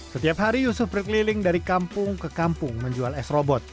setiap hari yusuf berkeliling dari kampung ke kampung menjual s robot